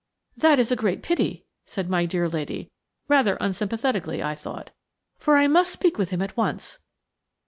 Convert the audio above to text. "That is a great pity," said my dear lady, rather unsympathetically, I thought, "for I must speak with him at once."